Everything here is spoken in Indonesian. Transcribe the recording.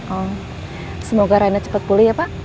oh semoga reyna cepet pulih ya pak